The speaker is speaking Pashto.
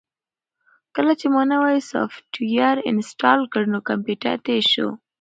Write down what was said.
کله چې ما نوی سافټویر انسټال کړ نو کمپیوټر تېز شو.